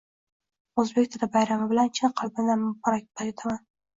Oʻzbek tili bayrami bilan chin qalbimdan muborakbod etaman.